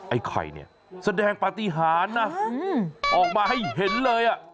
ไอ้ไข่เนี่ยแสดงปฏิหารนะออกมาให้เห็นเลยอ่ะ